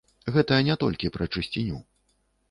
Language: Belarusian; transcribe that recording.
Гэта не толькі пра чысціню.